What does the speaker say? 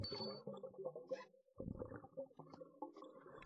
viwanda na wafanyabiashara wa Marekani walipanua biashara